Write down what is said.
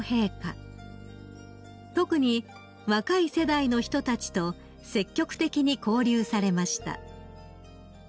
［特に若い世代の人たちと積極的に交流されました］